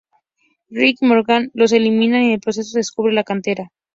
Rick y Morgan los eliminan y en el proceso descubre la cantera.